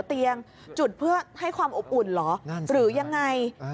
เลี้ยงไว้เยอะไหม